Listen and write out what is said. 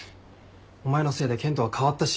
お前のせいで健人は変わったし。